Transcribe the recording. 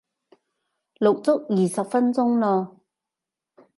錄足二十分鐘咯